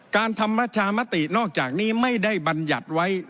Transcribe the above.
การทำประชามตินอกจากนี้ไม่ได้บรรยัติไว้